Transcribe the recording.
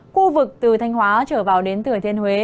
khu vực từ thanh hóa trở vào đến thừa thiên huế